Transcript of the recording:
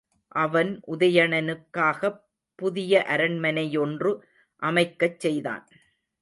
அவன் உதயணனுக்காகப் புதிய அரண்மனை யொன்று அமைக்கச் செய்தான்.